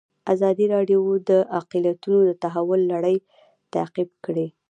ازادي راډیو د اقلیتونه د تحول لړۍ تعقیب کړې.